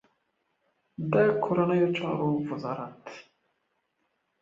د کورنیو چارو وزارت